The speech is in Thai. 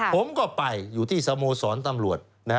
ผมก็ไปอยู่ที่สโมสรตำรวจ